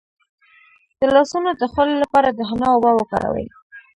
د لاسونو د خولې لپاره د حنا اوبه وکاروئ